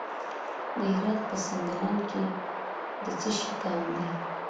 د هرات په سنګلان کې د څه شي کان دی؟